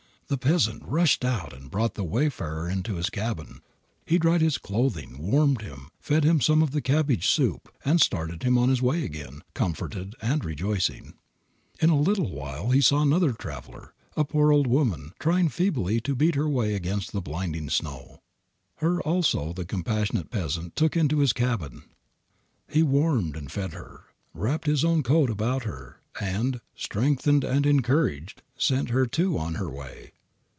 The peasant rushed out and brought the wayfarer into his cabin. He dried his clothing, warmed him, fed him some of the cabbage soup, and started him on his way again, comforted and rejoicing. In a little while he saw another traveler, a poor old woman, trying feebly to beat her way against the blinding snow. Her also the compassionate peasant took into his cabin. He warmed and fed her, wrapped his own coat about her, and, strengthened and encouraged, sent her too on her way.